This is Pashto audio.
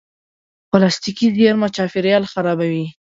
پلاستيکي زېرمه چاپېریال خرابوي.